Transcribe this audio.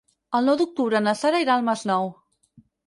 El nou d'octubre na Sara irà al Masnou.